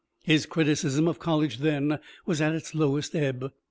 His criticism of college then was at its lowest ebb.